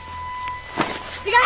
違う！